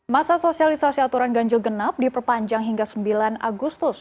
masa sosialisasi aturan ganjil genap diperpanjang hingga sembilan agustus